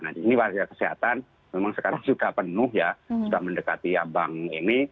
nah ini fasilitas kesehatan memang sekarang sudah penuh sudah mendekati bank ini